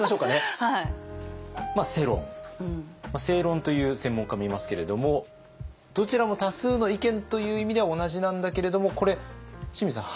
「セイロン」という専門家もいますけれどもどちらも多数の意見という意味では同じなんだけれども清水さん